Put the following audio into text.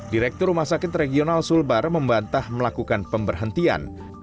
direktur rumah sakit regional sulbar membantah melakukan pemberhentian